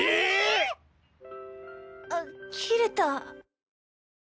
あ切れた。